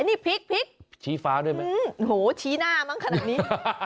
นี่พริกพริกชี้ฟ้าด้วยไหมโอ้โหชี้หน้ามั้งขนาดนี้